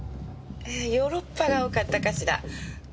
ええヨーロッパが多かったかしら。